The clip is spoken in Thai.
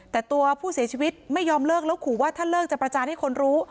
แต่ตัวผู้เสียชีวิตไม่ยอมเลิกแล้วขู่ว่าถ้าเลิกจะประจานให้คนรู้